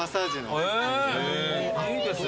いいですね。